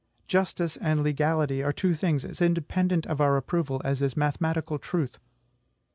Justice and legality are two things as independent of our approval as is mathematical truth.